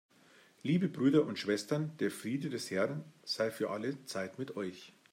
Liebe Brüder und Schwestern, der Friede des Herrn sei für alle Zeit mit euch.